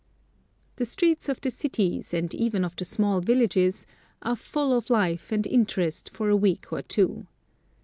The streets of the cities, and even of the small villages, are full of life and interest for a week or two.